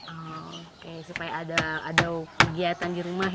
oke supaya ada kegiatan di rumah ya